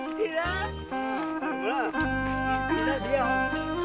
thì nó mới côi